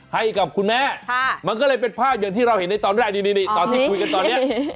ให้กับคุณแม่มันก็เลยเป็นภาพอย่างที่เราเห็นในตอนแรกนี่ตอนที่คุยกันตอนนี้